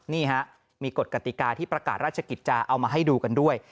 นี่ฮะมีกฎกติกาที่ประกาศราชกิจจะเอามาให้ดูกันด้วย